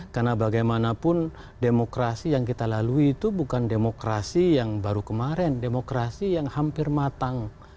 karena bagaimanapun demokrasi yang kita lalui itu bukan demokrasi yang baru kemarin demokrasi yang hampir matang